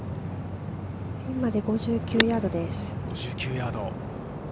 ピンまで５９ヤードです。